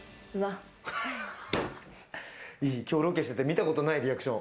今日ロケしてて、見たことないリアクション。